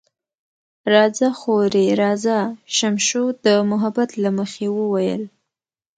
راځه خورې، راځه، شمشو د محبت له مخې وویل.